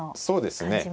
そうですね